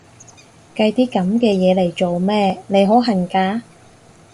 計啲噉嘅嘢嚟做咩？，你好恨嫁？